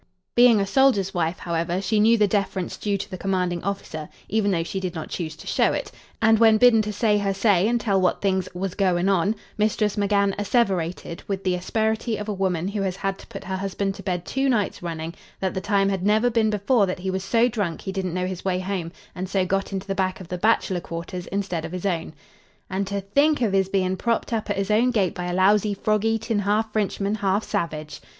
Being a soldier's wife, however, she knew the deference due to the commanding officer, even though she did not choose to show it, and when bidden to say her say and tell what things "was goin' on" Mistress McGann asseverated, with the asperity of a woman who has had to put her husband to bed two nights running, that the time had never been before that he was so drunk he didn't know his way home, and so got into the back of the bachelor quarters instead of his own. "And to think av his bein' propped up at his own gate by a lousy, frog eatin' half Frinchman, half salvage!"